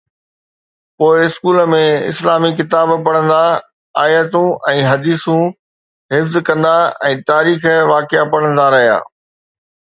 پوءِ اسڪول ۾ اسلامي ڪتاب پڙهندا، آيتون ۽ حديثون حفظ ڪندا ۽ تاريخي واقعا پڙهندا رهيا.